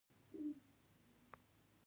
د ځينې خلکو پۀ ملا کښې اکثر ناڅاپه پړق اوشي